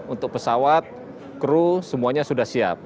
untuk pesawat kru semuanya sudah siap